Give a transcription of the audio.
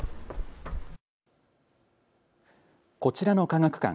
こちらの科学館。